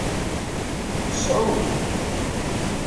Sɛu.